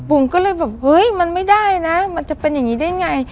ผมก็เลยแบบเฮ้ยมันไม่ได้นะมันจะเป็นอย่างนี้ได้ไง